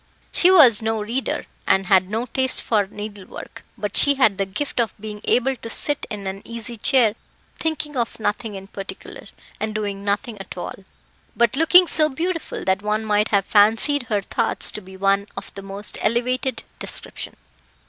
She was no reader, and had no taste for needlework; but she had the gift of being able to sit in an easy chair thinking of nothing in particular, and doing nothing at all, but looking so beautiful that one might have fancied her thoughts to be of the most elevated description.